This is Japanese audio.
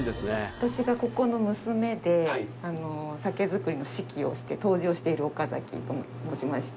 私がここの娘で、酒造りの指揮をして、杜氏をしている岡崎と申しまして。